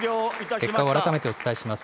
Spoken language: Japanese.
結果を改めてお伝えします。